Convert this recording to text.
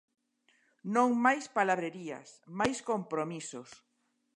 Non máis palabrería, máis compromisos.